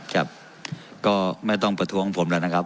ครับก็ไม่ต้องประท้วงผมแล้วนะครับ